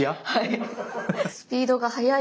はい。